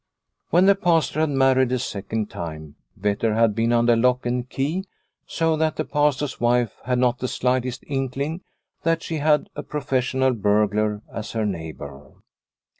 When the Pastor had married a second time, Vetter had been under lock and key, so that the Pastor's wife had not the slightest inkling that she had a professional burglar as her neighbour.